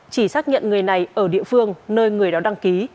chỉ xác nhận người này ở địa phương nơi người đó đăng ký